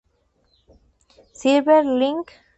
Silver Link